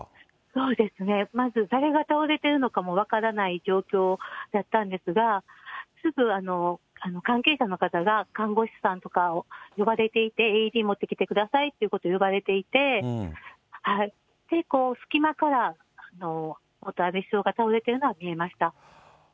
そうですね、まず誰が倒れてるのかも分からない状況だったんですが、すぐ関係者の方が看護師さんとかを呼ばれていて、ＡＥＤ持ってきてくださいということで、呼ばれていて、隙間から元安倍首相が倒れているのが見えました。